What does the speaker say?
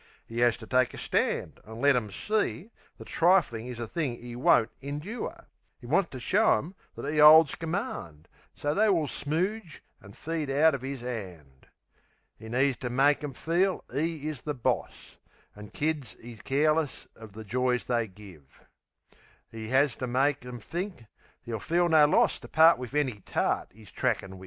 'E 'as to take a stand an' let 'em see That triflin' is a thing'e won't indure. 'E wants to show 'em that 'e 'olds command, So they will smooge an' feed out of 'is 'and. 'E needs to make 'em feel 'e is the boss, An' kid 'e's careless uv the joys they give. 'E 'as to make 'em think 'e'll feel no loss To part wiv any tart 'e's trackin' wiv.